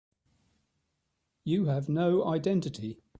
You have no identity.